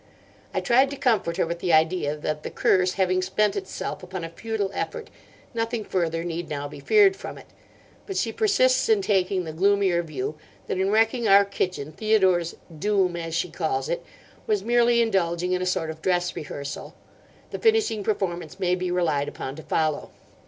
I tried to comfort her with the idea that the Curse having spent itself upon a futile effort, nothing further need now be feared from it; but she persists in taking the gloomier view that in wrecking our kitchen, Theodore's 'Doom,' as she calls it, was merely indulging in a sort of dress rehearsal; the finishing performance may be relied upon to follow.